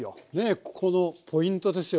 ここのポイントですよ